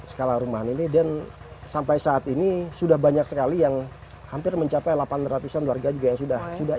skala rumahan ini dan sampai saat ini sudah banyak sekali yang hampir mencapai delapan ratus an warga juga yang sudah